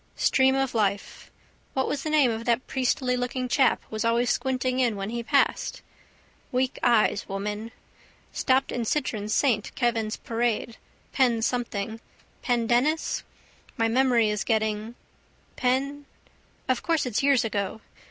Stream of life. What was the name of that priestylooking chap was always squinting in when he passed? Weak eyes, woman. Stopped in Citron's saint Kevin's parade. Pen something. Pendennis? My memory is getting. Pen ...? Of course it's years ago.